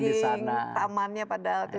di tamannya padahal itu